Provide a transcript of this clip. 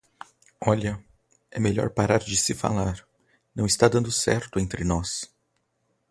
Olha, é melhor parar de se falar... não está dando certo entre nós